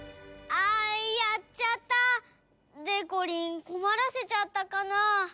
あっやっちゃった。でこりんこまらせちゃったかな？